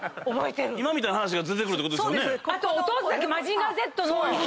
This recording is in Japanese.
今みたいな話が出てくるってことですよね。